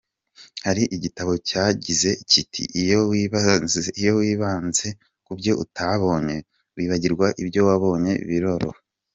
Hari igitabo cyagize kiti “iyo wibanze ku byo utabonye, kwibagirwa ibyo wabonye biroroha.